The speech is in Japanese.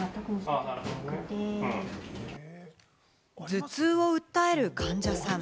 頭痛を訴える患者さん。